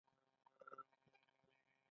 د خوست په موسی خیل کې د کرومایټ نښې شته.